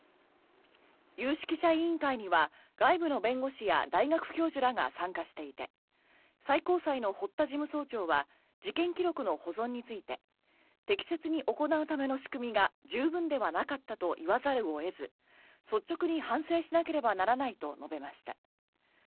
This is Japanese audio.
有識者委員会には外部の弁護士や大学教授らが参加していて最高裁の堀田事務総長は事件記録の保存について適切に行うための仕組みが十分ではなかったと言わざるを得ず率直に反省しなければならないと述べました。